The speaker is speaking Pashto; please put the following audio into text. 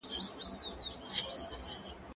کېدای سي کتابتون بند وي!؟